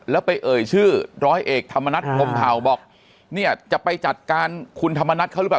แล้วไปเอ่ยชื่อร้อยเอกธรรมนัฐพรมเผาบอกเนี่ยจะไปจัดการคุณธรรมนัฐเขาหรือเปล่า